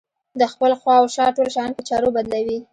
د خپل خواوشا ټول شيان په چرو بدلوي.